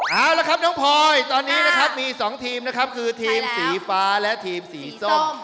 เอาละครับน้องพลอยตอนนี้นะครับมี๒ทีมนะครับคือทีมสีฟ้าและทีมสีส้ม